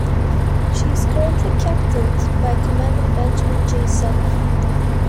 She is currently captained by Commander Benjamin J. Selph.